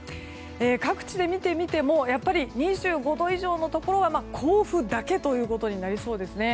各地で見てみても２５度以上のところは甲府だけということになりそうですね。